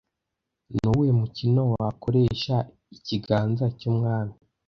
Nuwuhe mukino wakoresha ikibanza cyumwami